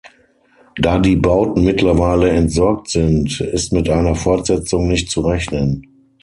Da die Bauten mittlerweile entsorgt sind, ist mit einer Fortsetzung nicht zu rechnen.